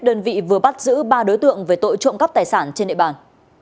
đơn vị vừa bắt giữ ba đối tượng về tội trộm cắp tài sản trên địa bàn